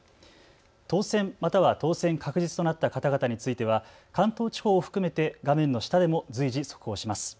当選、または当選確実となった方々については関東地方を含めて画面の下でも随時速報します。